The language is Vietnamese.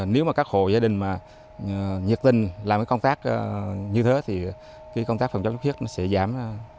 nếu các hộ gia đình nhiệt tình làm công tác như thế thì công tác phòng chống dịch bệnh sẽ giảm